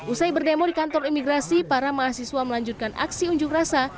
usai berdemo di kantor imigrasi para mahasiswa melanjutkan aksi unjuk rasa